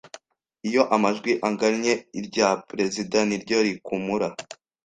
Iyo amajwi agannye irya Perezida niryo rikumura